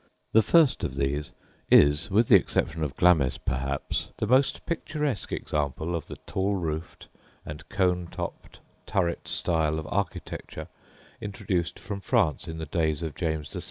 The first of these is, with the exception of Glamis, perhaps, the most picturesque example of the tall roofed and cone topped turret style of architecture introduced from France in the days of James VI.